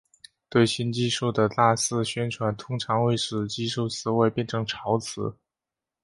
对新技术的大肆宣传通常会使技术词汇变成潮词。